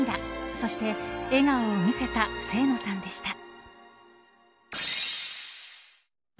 そして笑顔を見せた清野さんでした。